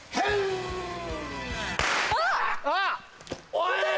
おい！